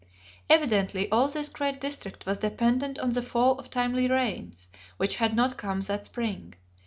Evidently all this great district was dependent on the fall of timely rains, which had not come that spring.